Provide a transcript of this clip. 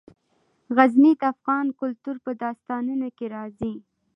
غزني د افغان کلتور په داستانونو کې راځي.